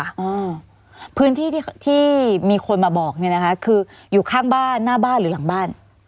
อ่าพื้นที่ที่ที่มีคนมาบอกเนี่ยนะคะคืออยู่ข้างบ้านหน้าบ้านหรือหลังบ้าน